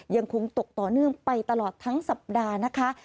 ยังคงตกต่อเนื่องไปตลอดทั้งสัปดาห์นะคะ